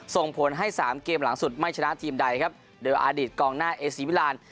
ส่งผลให้สามเกมหลังสุดไม่ชนะทีมใดครับโดยอดีตกองหน้าเอซีมิลาน